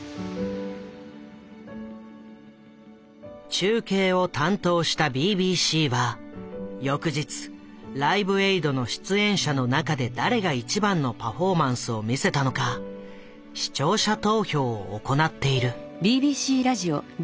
中継を担当したＢＢＣは翌日「ライブエイド」の出演者の中で誰が一番のパフォーマンスを見せたのか視聴者投票を行っている。